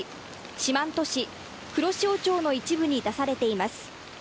四万十市、黒潮町の一部に出されています。